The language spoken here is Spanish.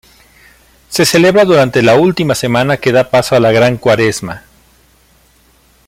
Se celebra durante la última semana que da paso a la Gran Cuaresma.